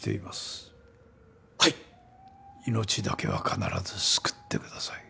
命だけは必ず救ってください。